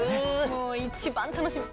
もう一番楽しみ。